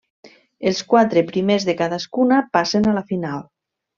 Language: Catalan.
Els quatre primers de cadascuna passen a la final.